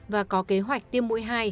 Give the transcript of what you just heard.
và có kế hoạch tiêm mũi hai